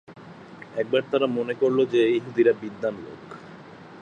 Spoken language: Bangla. একবার তারা মনে করল যে, ইহুদীরা বিদ্বান লোক।